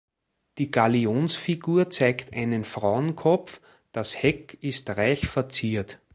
Die Galionsfigur zeigt einen Frauenkopf, das Heck ist reich verziert.